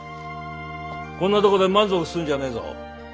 こんなとこで満足するんじゃねえぞ。